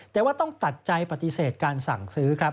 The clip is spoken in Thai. แต่ว่าต้องตัดใจปฏิเสธการสั่งซื้อครับ